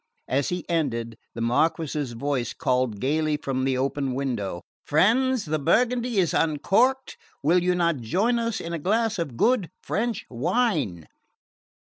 As he ended the Marquess's voice called gaily through the open window: "Friends, the burgundy is uncorked! Will you not join us in a glass of good French wine?"